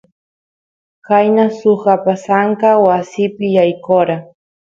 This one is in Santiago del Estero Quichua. qayna suk apasanka wasipi yaykora